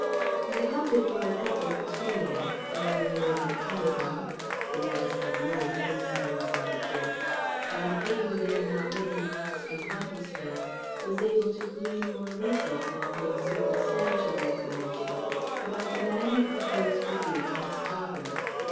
He halted for a cup of tea at Llandeilotalybont ... Wales has many place names like this ... and being there not many miles from Pontystrad was able to glean more recent and more circumstantial information about the man he proposed to greet as "father."